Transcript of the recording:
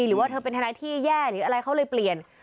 หรือว่าเธอเป็นทนายที่แย่หรืออะไรเขาเลยเปลี่ยน